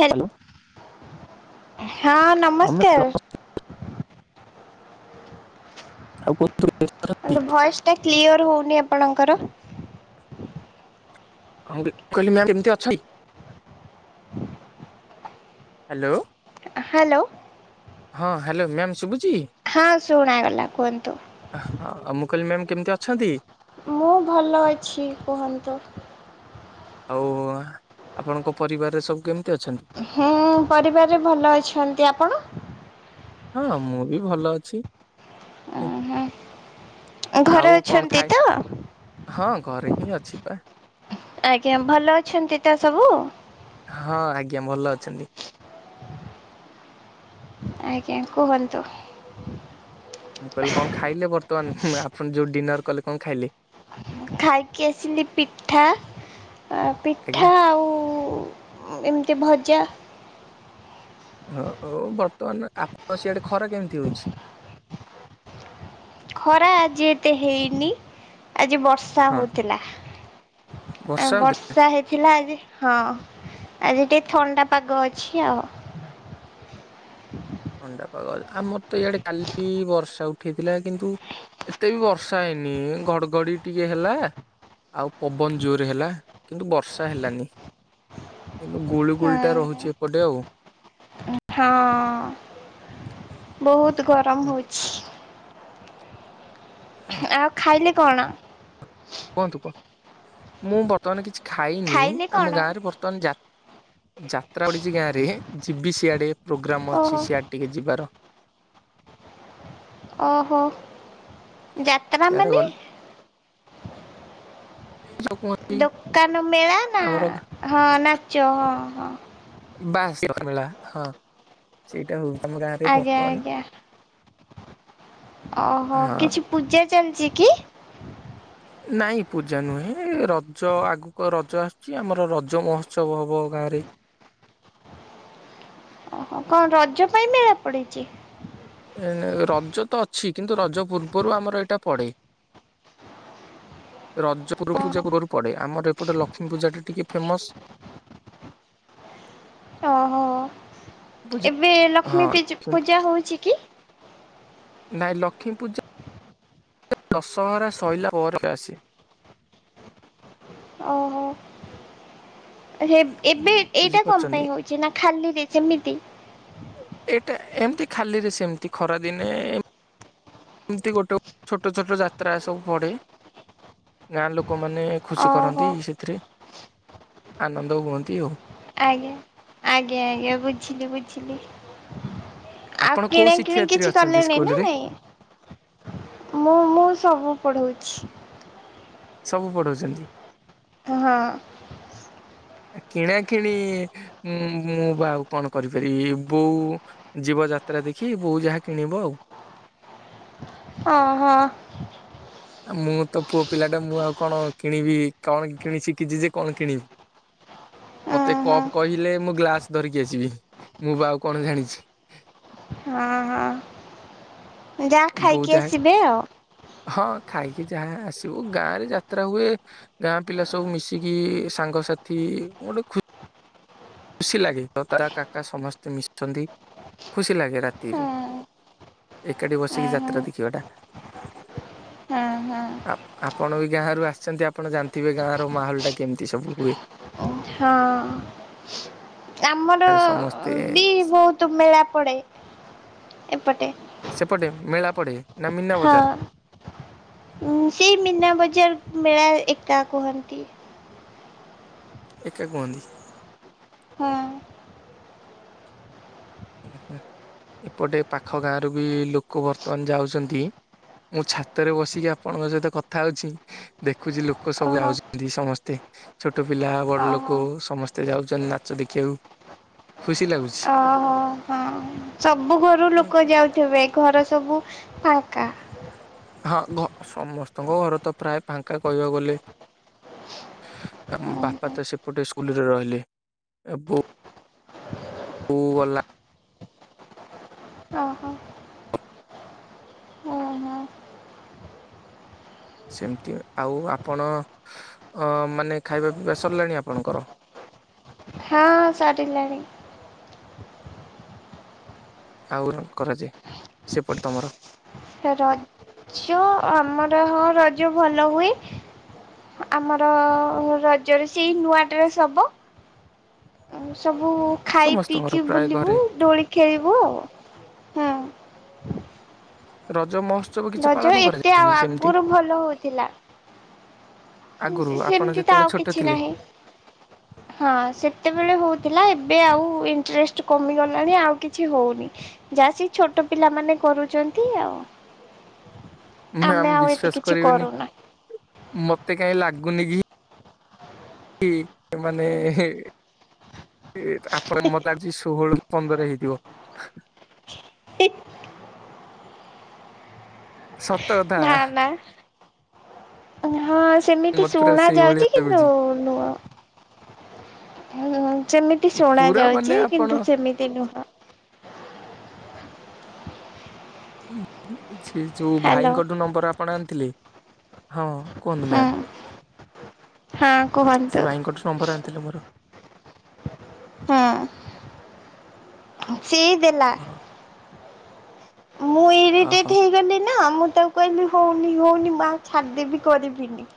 Hello hello ହଁ ହଁ ହଁ ମ୍ୟାମ୍ ନମସ୍କାର- ଆଉ କୁ କିନ୍ତୁ [unintelligible] ଭଏସ୍ ଟା କ୍ଲିଅର ହେଉନି ଆପଣଙ୍କର। ହଁ କହିଲି ମ୍ୟାମ୍ କେମିତି ଅଛନ୍ତି? ହାଲୋ ହାଲୋ ହଁ ହ୍ୟାଲୋ ମ୍ୟାମ୍ ଶୁଭୁ? ହଁ ଶୁଣା ଗଲା କୁହନ୍ତୁ। ହଁ ମୁଁ କହିଲି ମ୍ୟାମ୍ କେମିତି ଅଛନ୍ତି? ମୁଁ ଭଲ ଅଛି କୁହନ୍ତୁ। ଆଉ ଆପଣଙ୍କ ପରିବାରରେ ସବୁ କେମିତି ଅଛନ୍ତି? ହୁଁ ପରିବାରରେ ଭଲ ଅଛନ୍ତି, ଆପଣ ହଁ ମୁଁ ବି ଭଲ ଅଛି। ଓ ହୁଁ, ହ ଆଉ ଘରେ କଣ ଅଛନ୍ତି ଖାଇ ତ। ହଁ ଘରେ ହିଁ ଅଛି ପା। ଆଜ୍ଞା ଭଲ ଅଛନ୍ତି ତ ସବୁ ହଁ ଆଜ୍ଞା ଭଲ ଅଛନ୍ତି। ଆଜ୍ଞା କୁହନ୍ତୁ। ମୁଁ କହିଲି କଣ ଖାଇଲେ ବର୍ତ୍ତମାନ ଆପଣ ଯୋଉ ଡିନର। କଲେ କଣ ଖାଇଲେ? ଖାଇକି ଆସିଲି ପିଠା ଆଜ୍ଞା। ପିଠା ଆଉ ଏମିତି ଭଜା ହଁ ଆଉ ବର୍ତ୍ତମାନ ଆପଣଙ୍କ ସିଆଡେ ଖରା କେମିତି ହଉଛି। ଖରା ଆ ଯେ ଏତେ ହେଇନି। ଆଜି ବର୍ଷା ହଁ ହଉଥିଲା। ଆଉ ବର୍ଷା ହେଇ ହେଥିଲା ଆଜି ହଁ ଆଜି ଟିକେ ଥଣ୍ଡା ପାଗ ଅଛି ଆଉ। ଥଣ୍ଡାପାଗଜ ଆମର ତ ଇଆଡେ କାଲି ବର୍ଷା ଉଠେଇଥିଲା କିନ୍ତୁ ଏତେ ବି ବର୍ଷା ହେଇନି ଘଡଘଡି ଟିକେ ହେଲା ଆଉ ପବନ ଜୋର ହେଲା କିନ୍ତୁ ବର୍ଷା ହେଲାନି, କିନ୍ତୁ ଗୁଳ ଗୁଳି ଟା ରହୁଛି ଏପଟେ ଆଉ। ହଁ, ହଁ ବହୁତ ବହୁତ ଗରମ ହୁଁ, ହଉଛି। ଆଉ ଖାଇଲେ କଣ? କୁହନ୍ତୁ କୁହନ୍ତୁ, ମୁଁ ବର୍ତ୍ତମାନ କିଛି ଖାଇନି ଖାଇଲେ କଣ? ଆମ ଗାଁ ରେ ବର୍ତ୍ତମାନ ଯାତ୍ରା ପଡିଛି ଗାଁ ରେ ଯିବି ସିଆଡ଼େ। ପ୍ରୋଗ୍ରାମ୍ ଓହୋ ଅଛି ସିଆଡେ ଟିକେ ଯିବାର, ଓହୋ ଯାତ୍ରା ସିଆଡେ ମାନେ ଗଲେ ଯୋଉ କୁହନ୍ତି ଦୋକାନ ମେଳା ନା ଆମର ହଁ ନାଚ ହଁ। ହଁ ବାସ୍ ମେଳା ହଁ ସେଇଟା ହଉ ଆମ ଗାଁରେ ଆଜ୍ଞା ବର୍ତ୍ତମାନ ଆଜ୍ଞା ଓହୋ ହଁ କିଛି ପୂଜା ଚାଲିଛି କି ନାଇଁ ପୂଜା ନୁହେଁ ରଜ ଆଗକୁ ରଜ ଆସୁଛି ଆମର ରଜ ମହୋତ୍ସବ ହବ ଗାଁ ରେ ଓ କଣ ରଜ ପାଇଁ ମେଳା ପଡିଛି। ଏ ରଜ ତ ଅଛି କିନ୍ତୁ ରଜ ପୂର୍ବରୁ ଆମର ଏଇଟା ପଡେ ରଜ ପୂର୍ବରୁ ଓହୋ ପୂଜା ପୁର୍ବରୁ ପଡେ ଆ ଆମର ଏପଟେ ଲକ୍ଷ୍ମୀ ପୂଜାଟି ଟିକେ ଫେମସ୍ ଓହୋ। ଏବେ ଲକ୍ଷ୍ମୀ ପୂଜା ହଉଛି କି? ନାଇଁ ଲକ୍ଷ୍ମୀ ପୂଜା ଦଶହରା ଶଇଲା ପରେ ଆସେ, ଓହୋ ଏବେ ଉଁ, ଏଇଟା କଣ ବୁଝିପାରୁଛନ୍ତି। ପାଇଁ ହଉଛି ନା ଖାଲିରେ ସେମିତି ଏଇଟା ଏମିତି ଖାଲିରେ ସେମତି ଖରାଦିନେ ଏମତି ଗୋଟେ ଛୋଟ ଛୋଟ ଯାତ୍ରା ସବୁ ପଡେ ଗାଁ ଲୋକ ଲୋକମାନେ ଖୁସି ଓହୋ କରନ୍ତି ସେଥିରେ ଆନନ୍ଦ ହୁଅନ୍ତି ଆଉ ଆଜ୍ଞା ଆଜ୍ଞା ଆଜ୍ଞା ବୁଝିଲି ବୁଝିଲି। ଆଉ ଆପଣ କୋଉ କିଣା କିଣି ଶିକ୍ଷୟିତ୍ରୀ କିଛି ଅଛନ୍ତି କଲେଣି ସ୍କୁଲ ନା ରେ? ନାଇଁ, ମୁଁ ମୁଁ ସବୁ ପଢଉଛି। ସବୁ ପଢଉଛନ୍ତି। ହଁ କିଣା କିିଣି ମୁଁ ବା ଆଉ କଣ କରିପାରିବି, ବୋଉ ଯିବ ଯାତ୍ରା ଦେଖି ବୋଉ ଯାହା କିଣିବ ଆଉ। ଓହୋ ଆଉ ମୁଁ ତ ପୁଅ ପିଲା ଟା ମୁଁ ଆଉ କଣ କିଣିବି କଣ କିଣି ଶିଖିଛି ଯେ କଣ କିଣିବି ମତେ ଉଁ ହୁଁ କପ କହିଲେ ମୁଁ ଗ୍ଲାସ ଧରିକି ଆସିବି ମୁଁ ବା ଆଉ କଣ ଜାଣିଛି? ଯାହା ବୋଉ ଖାଇକି ଯାହା ଆସିବେ ଆଉ। ହଁ ଖାଇକି ଯାହା ଆସିବୁ ଗାଁ ରେ ଯାତ୍ରା ହୁଏ ଗାଁ ପିଲା ସବୁ ମିଶିକି ସାଙ୍ଗସାଥି ଗୋଟେ ଖୁସି ଖୁସି ଲାଗେ ତ ତାରା କାକା ସମସ୍ତେ ମିଶନ୍ତି ଖୁସି ଲାଗେ ଉଁ ରାତିରେ ଏକାଠି ବସିକି ହୁଁ ଯାତ୍ରା ଦେଖିବା ଟା ହଁ ହଁ। ଆପଣ ବି ଗାଁ ରରୁ ଆସିଛନ୍ତି ଆପଣ ଜାଣିଥିବେ ଗାଁର ମାହୋଲ ଟା କେମିତି ସବୁ ହୁଏ। ହଁ ଆମର ଆରେ ସମସ୍ତେ ବି ବହୁତ ମେଳା ପଡ଼େ ଏପଟେ ସେପଟେ ମେଳା ପଡ଼େ? ହଁ ସେଇ ମୀନା ବଜାର ମେଳା ଏକା କୁହନ୍ତି। ଏକା କୁହନ୍ତି। ହଁ ଓ ହୁଁ ଏପଟେ ପାଖ ଗାଁରୁ ବି ଲୋକ ବର୍ତ୍ତମାନ ଯାଉଛନ୍ତି ମୁଁ ଛାତରେ ବସିକି ଆପଣଙ୍କ ସହିତ କଥା ଅଉଛି ଦେଖୁଛି ଲୋକ ସବୁ ଓହୋ ଯାଉଛନ୍ତି ସମସ୍ତେ ଛୋଟ ପିଲା ବଡ ଓହୋ। ଲୋକ ସମସ୍ତେ ଯାଉଛନ୍ତି ନାଚ ଦେଖିବାକୁ, ଖୁସି ଲାଗୁଛି। ଓହୋ ହଁ ସବୁ ଘରୁ ଲୋକ ଯାଉଥିବେ ଘର ସବୁ ଫାଙ୍କା ହଁ ସମସ୍ତଙ୍କ ଘର ତ ପ୍ରାୟ ଫାଙ୍କା କହିବାକୁ ଗଲେ ଆ ବାପା ଓହୋ ତ ସେପଟେ ସ୍କୁଲରେ ରହିଲେ ଏବଂ ଓ ଗଲା ଓହୋ ଓହୋ ସେମତି ଆଉ ଆପଣ ମାନେ ଖାଇବା ପିଇବା ସରିଲାଣି ଆପଣଙ୍କର? ହଁ ସରିିଲେଣି ଆଉ କଣ କରାଯା ସେପଟେ ତମର ରଜ ଆମର ହଁ ରଜ ଭଲ ହୁଏ, ଆମର ରଜରେ ସେଇ ନୂଆ ଡ୍ରେସ୍ ହବ ସବୁ ସବୁ ଖାଇ ସମସ୍ତଙ୍କର ପିଇକି ପ୍ରାୟ ବୁଲିବୁ ଘରେ ଦଡୋଳି ଖେଳିବୁ ଆଉ ହୁଁ ରଜ ମସ୍ତ ରଜ ଏତେ ଆଉ ଆଗରୁ ଭଲ ହଉଥିଲା। ଆଗରୁ ଆପଣ ସେମିତି ତ ଯେତେବେଳେ ଆଉ ଛୋଟ କିଛି ଥିଲେ ନାହିଁ। ହଁ ସେତେବେଳେ ହଉ ଥିଲା ଏବେ ଆଉ ଇଣ୍ଟରେଷ୍ଟ କମିଗଲାଣି ଆଉ କିଛି ହଉନି। ଯାହା ସେ ଛୋଟ ପିଲାମାନେ କରୁଛନ୍ତି ଆଉ। ମ୍ୟାମ୍ ଆମେ ଆଉ ଏତେ ବିଶ୍ଵାସ କିଛି କରିବେନି କରୁନା। ମତେ କାହିଁ ଲାଗୁନି କି କି ମାନେ ଆପଣ ମତେ ଆଜି ଷୋହଳ ପନ୍ଦରେ ହେଇଯିବ? ସତ ତ କଥା। ନା ନା ହଁ ସେମିତି ମତେ ପୁରା ଶୁଣା ସେଇଭଳିଆ ଯାଉଛି, କିନ୍ତୁ ଲାଗୁଛି ନୁହଁ। ହୁଁ ସେମିତି ଶୁଣା ପୁରା ମାନେ ଯାଉଛି, ଆପଣ କିନ୍ତୁ ସେମିତି ନୁହଁ। ହୁଁ। [unintelligible] ଏ ଯୋଉ ହ୍ୟାଲୋ ଭାଇଙ୍କଠୁ ନମ୍ବର ଆପଣ ଆ ଥିଲେ ହଁ। କୁହନ୍ତୁ ହଁ। ମ୍ୟାମ୍। ହଁ କୁହନ୍ତୁ ସେ ଭାଇଙ୍କଠୁ ନମ୍ବର ଆଣିଥିଲେ ମୋର? [unintelligible] ହୁଁ ସେଇ ଦେଲା। ମୁଁ ଓହୋ ଇରିଟେଟ ହେଇଗଲି ନା ମୁ ତାକୁ କହିଲି ହଉନି ହଉନି ମା ଛାଡିଦେବିି କରିବିନି।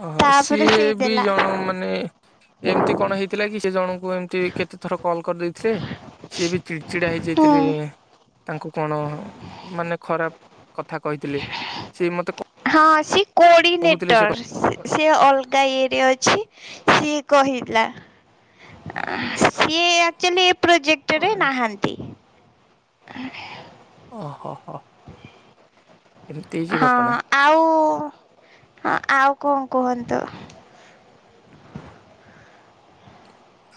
ଅହୋ ତାପରେ ସିଏ ସେଇ ବି ଦେଲା ଜଣ ମାନେ ଏମିତି କଣ ହେଇଥିଲା କି? ସେ ଜଣଙ୍କୁ ଏମତି କେତେ ଥର କଲ କରିଦେଇଥିଲେ ସିଏ ବି ଚ ଚିଡା ହୁଁ। ହେଇଯାଇଥିଲେ। ତାଙ୍କୁ କଣ ମାନେ ଖରାପ କଥା କହିଥିଲେ ସେଏ ମତେ ହଁ ଅ ଶିକ [unintelligible] କହୁଥିଲେ ସେ କୋର୍ଡିନେଟର୍ ସେ ଅଲଗା ଇଏରେ ଅଛି। ସିଏ କହିଲା ସିଏ ଆକଚୁଆଲି ପ୍ରୋଜେକ୍ଟରେ କଣ ନାହାନ୍ତି। ଆ [unintelligible] ଓହୋ ଏମିତି ହେଇଛି ହଁ ଘଟଣା ଆଉ ହ ଆଉ। କଣ କୁହନ୍ତୁ?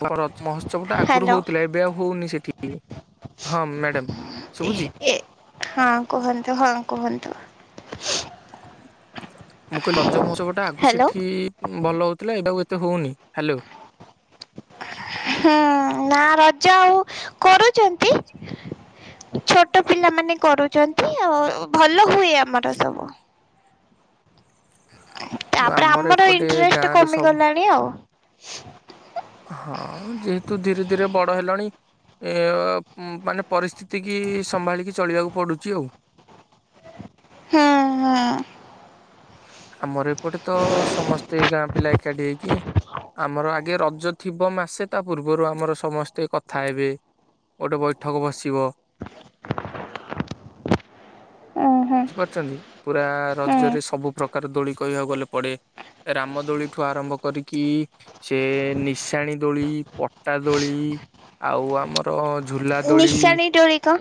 ମହୋତ୍ସବ ଟା ଆଗରୁ ହ୍ୟାଲୋ। ହଉଥିଲା? ଏବେ ଆଉ ହଉନି ସେଠି? ହଁ ମ୍ୟାଡାମ ଶୁଭୁଛି? ଏ ହଁ କୁହନ୍ତୁ ହଁ କୁହନ୍ତୁ ମୁଁ କହିଲ ରଜ ମହୋତ୍ସବ ଟା ଆଗୁ ହ୍ୟାଲୋ ସେଠି ଭଲ ହଉଥିଲା ଏଇ ଟା ତ ହଉନି ହ୍ୟାଲୋ। ହୁଁ ନା ରଜ ଆଉ କରୁଛନ୍ତି ଛୋଟ ପିଲାମାନେ କରୁଛନ୍ତି ଆଉ ଭଲ ହୁଏ ଆମର ସବୁ। ତାପରେ ଆମର ଏପଟେ ଗାଁ ଇଣ୍ଟରେଷ୍ଟ ରେ ସବୁ କମିଗଲାଣି ଆଉ। ହଁ ଯେହେତୁ ଧୀରେ ଧୀରେ ବଡ ହେଲଣି। ଏ-ଅ ପୁଁ ମାନେ। ପରିସ୍ଥିତି କି ସମ୍ଭାଳିକି ଚଳିବାକୁ ପଡୁଛି। ଛି ଆଉ। ହୁଁ ହୁଁ। ଆମର ଏପଟେ ତ ସମସ୍ତେ ଗାଁ ପିଲା ଏକା ଏକାଠି ହେଇକି ଆମର ଆଗେ ରଜ ଥିବ ମାସେ ତା ପୂର୍ବରୁ ଆମର ସମସ୍ତେ କଥା ହେବେ ଗୋଟେ ବୈଠକ ବସିବ ଉଁ ହୁଁ ବୁଝିପାରୁଛନ୍ତି ପୁରା ହୁଁ। ରଜରେ ସବୁ। ପ୍ରକାର ଦୋଳି କହିବାକୁ ଗଲେ ପଡ଼େ ରାମଦୋଳିଠୁ ଆରମ୍ଭ କରିକି ସେ ନିଶାଣୀ ଦୋଳି ପଟା ଦୋଳି ଆଉ ଆମର। ଝୁଲା ଦୋଳି ନିଶାଣି ଦୋଳି କଁ।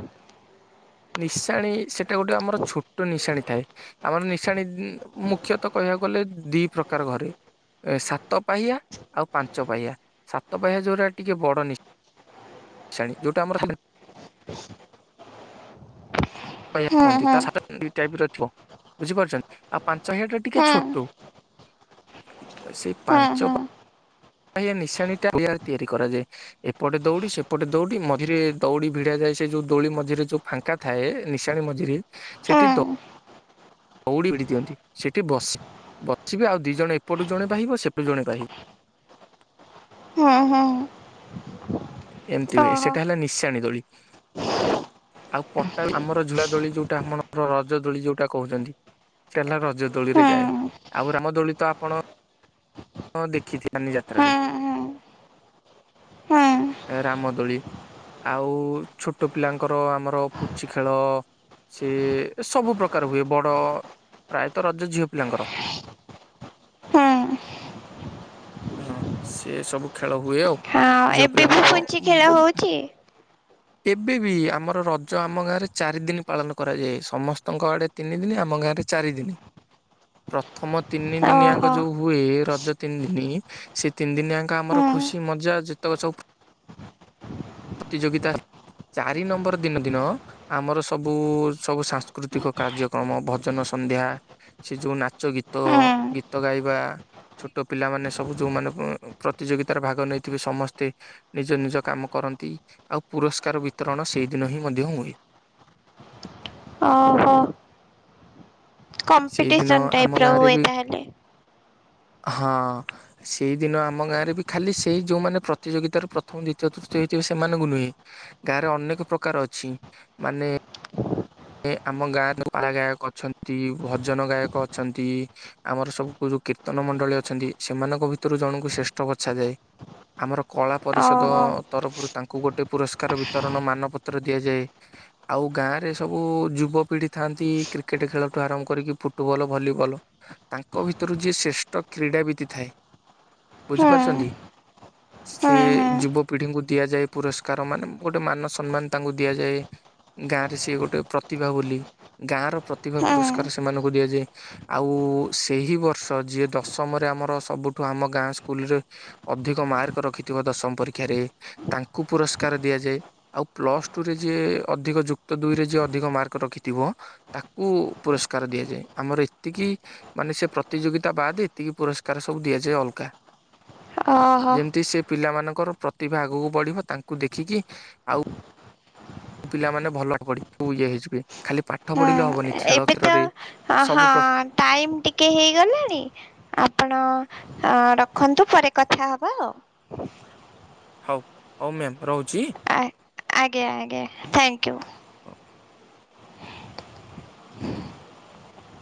ନିଶାଣି ସେଟା ଗୋଟେ ଆମର ଛୋଟ ନିଶାଣି ଥାଏ ଆମର ନିଶାଣି। ମୁଖ୍ୟତଃ କହିବାକୁ ଗଲେ ଦି ପ୍ରକାର ଘରେ ସାତ ପାହ୍ୟା ଆଉ ପାଞ୍ଚ ପାହ୍ୟା ସାତ ପାହ୍ୟା ଯୋଉଟା ଟିକେ ବଡ ନିଶାଣୀ ଯୋଉଟା ଆମର ପାହ୍ୟା ହୁଁ କୁହନ୍ତି ହୁଁ ତା ସାଥିରେ ଦି ଟାଇପର ପ ବୁଝିପାରୁଛନ୍ତି ଆପ ପାଞ୍ଚ ପାହ୍ୟା ଟା ଟିକେ ହୁଁ ଛୋଟ। ସେଇ ହୁଁ ପାଞ୍ଚ ହୁଁ ନିଶାଣି ଟା [inaudible] ତିଆରରେ କରାଯାଏ ଏପଟେ ଦୌଡି ସେପଟେ ଦୌଡି ମଝିରେ ଦୌଡି ଭିଡ ଯାଏ ସେ ଯୋଉ ଦୌଡ଼ି ମଝିରେ ଯୋଉ ଫାଙ୍କା ଥାଏ ନିଶାଣି ମଝିରେ ହୁଁ ସେଠି ଦ ଦୌଡି ଭିଡ଼ି ଦିଅନ୍ତି ସେଠି ବସେ ବସିବି ଆଉ ଦି ଜଣ ଏପଟୁ ଜଣେ ବାହିବ ସେପଟୁ ଜଣେ ବାହିବ। ହଁ ହଁ। ଏମିତି ହୁଏ ସେଟା ହେଲା ନିଶାଣି ଦୋଳି। ଆଉ ପଟା ଆମର ଝୁଳା ଦୋଳି ଯୋଉଟା ଆପଣ ରଜ ଦୋଳି ଯୋଉଟା କହୁଛନ୍ତି ସେଇଟା ହେଲା ରଜ ଦୋଳିରେ ହୁଁ ଯାଏ ହୁଁ ଆଉ ରାମଦୋଳି ତ ଆପଣ ଦେଖି ମାନି ଯାତ୍ରାରେ ହୁଁ ହୁଁ ହୁଁ ରାମଦୋଳି ଆଉ ଛୋଟ ପିଲାଙ୍କ। କର ଆମର ପୁଚି ଖେଳ ସେ ସବୁ ପ୍ରକାର ହୁଏ ବଡ ପ୍ରାୟତଃ ରଜ ଝିଅ ପିଲାଙ୍କର ହଁ ସେ ସବୁ ଖେଳ। ହୁଏ ଆଉ ହଁ ଝିଅ ଏବେ ବି ପିଲାଙ୍କର ବ ପୁଞ୍ଚି ଖେଳ ବ ହଉଛି ଏବେ ବି ଆ ଆମର ରଜ ଆମ ଗାଁରେ ଚାରି ଦିନ ପାଳନ କରାଯାଏ ସମସ୍ତଙ୍କ ଆଡ଼େ ତିନି ଦିନ ଆମ ଗାଁରେ ଚାରି ଦିନ ପ୍ରଥମ ତିନି ଦିନିଆଙ୍କ ଓହୋ ଯୋଉ ହୁଏ ରଜ ଜ ତିନି ଦିନ ହୁଏ ସେ ତିନି ଦିନିଆଙ୍କ ଆମର ହୁଁ ଖୁସି ମଜା ଯେତକ ସବୁ ପ୍ରତିଯୋଗିତା ଚାରି ନମ୍ବର। ଦିନ ଦିନ ଆମର ସବୁ ସବୁ ସାଂସ୍କୃତିକ କାର୍ଯ୍ୟକ୍ରମ ଭଜନ ସନ୍ଧ୍ୟା ସେ ଯୋଉ ନାଚ ଗୀତ ହୁଁ ଗୀତ ଗାଇବା ଛୋଟ ପିଲାମାନେ ସବୁ ଯୋଉମାନେ ପ୍ରତିଯୋଗିତାରେ ଭାଗ ନେଇଥିବେ ସମସ୍ତେ ନିଜ ନିଜ କାମ କରନ୍ତି ଆଉ ପୁରସ୍କାର ବିତରଣ ସେଇ ଦିନ ହିଁ ମଧ୍ୟ ହୁଏ। ଓହୋ। ସେଇଦିନ କମ୍ପିଟିସନ୍ ଆମ ଟାଇପ୍ ର ଗାଁରେ ହୁଏ ବି ତାହାଲେ। ହଁ ସେଇଦିନ ଆମ ଗାଁରେ ବି ଖାଲି ସେଇ ଯୋଉମାନେ ପ୍ରତିଯୋଗିତାର ପ୍ରଥମ ଦ୍ଵିତୀୟ ତୃତୀୟ ହେଇଥିବେ ସେମାନଙ୍କୁ ନୁହେଁ ଗାଁରେ ଅନେକ ପ୍ରକାର ଅଛି ମାନେ ଏ ଆମ ଗାଁରେ ପାଲା ଗାୟକ ଅଛନ୍ତି ଭଜନ ଗାୟକ ଅଛନ୍ତି ଆମର ସବୁ ଯଉଁ କୀର୍ତ୍ତନ ମଣ୍ଡଳୀ ଅଛନ୍ତି ସେମାନଙ୍କ ଭିତରୁ ଜଣଙ୍କୁ ଶ୍ରେଷ୍ଠ ବଛାଯାଏ ଆମର କଳା ପରିଷଦ ଓହୋ ତରଫରୁ ତାଙ୍କୁ ଗୋଟେ ପୁରସ୍କାର ବିତରଣ ମାନପତ୍ର ଦିଆଯାଏ ଆଉ ଗାଁରେ ସବୁ ଯୁବପିଢି ଥାନ୍ତି କ୍ରିକେଟ ଖେଳଠୁ ଆରମ୍ଭ କରିକି ଫୁଟବଲ୍ ଭଲିବଲ୍ ତାଙ୍କ ଭିତରୁ ଯିଏ ଶ୍ରେଷ୍ଠ କ୍ରୀଡ଼ାବିତି ଥାଏ ହୁଁ ବୁଝିପାରୁଛନ୍ତି ହୁଁ ସିଏ ହୁଁ ଯୁବପିଢିଙ୍କୁ ଦିଆଯାଏ ପୁରସ୍କାର ମାନେ ଗୋଟେ ମାନ ସମ୍ମାନ ତାଙ୍କୁ ଦିଆଯାଏ ଗାଁ ରେ ସିଏ ଗୋଟେ ପ୍ରତିଭା ବୋଲି ଗାଁର ପ୍ରତିଭା ହୁଁ ପୁରସ୍କାର ସେମାନଙ୍କୁ ଦିଆଯାଏ ଆଉ ସେହି ବର୍ଷ ଯିଏ ଦଶମରେ ଆମର ସବୁଠୁ ଆମ ଗାଁ ସ୍କୁଲରେ ଅଧିକ ମାର୍କ ରଖିଥିବ ଦଶମ ପରୀକ୍ଷାରେ ତାଙ୍କୁ ପୁରସ୍କାର ଦିଆଯାଏ ଆଉ ପ୍ଲସଟୁରେ ଯିଏ ଅଧିକ ଯୁକ୍ତ ଦୁଇରେ ଯିଏ ଅଧିକ ମାର୍କ ରଖିଥିବ ତାକୁ ପୁରସ୍କାର ଦିଆଯାଏ ଆମର ଏତିକି ମାନେ ସେ ପ୍ରତିଯୋଗିତା ବାଦ ଏତିକି ପୁରସ୍କାର ସବୁ ଦିଆଯାଏ ଅଲଗା। ଓହୋ ଯେମିତି ସେ ପିଲାମାନଙ୍କର ପ୍ରତିଭା ଆଗକୁ ବଢ଼ିବ ତାଙ୍କୁ ଦେଖିକି ଆଉ ପିଲାମାନେ ଭଲ ପ ସବୁ ଇଏ ହେଇଯିବେ। ଖାଲି ପାଠ ହୁଁ ପଢିଲେ ହବନି ଖେଳ ଏବେ ତ ଖେଳରେ ହଁ ସବୁ ପ୍ରକାର ଟାଇମ ଟିକେ ହେଇଗଲାଣି ଆପଣ ହଁ ରଖନ୍ତୁ ପରେ କଥା ହବା ଆଉ। ହଉ ହଉ ମ୍ୟାମ୍ ରହୁଛି। ଆଜ୍ଞା ଆଜ୍ଞା ଥ୍ୟାଙ୍କ ୟୁ